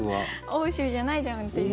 欧州じゃないじゃんっていう。